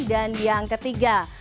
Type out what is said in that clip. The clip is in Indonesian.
dan yang ketiga